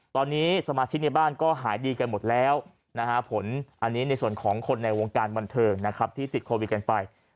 ตอนนี้สมาชิกในบ้านก็หายดีกันหมดแล้วนะฮะผลอันนี้ในส่วนของคนในวงการบันเทิงนะครับที่ติดโควิดกันไป